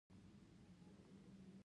فرانسویانو هالنډ او متحد ایالتونه ونیولې.